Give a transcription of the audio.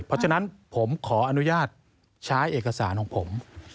เพราะฉะนั้นผมขออนุญาตใช้เอกสารของผม